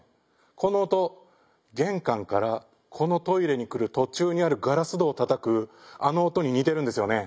この音玄関からこのトイレに来る途中にあるガラス戸をたたくあの音に似てるんですよね。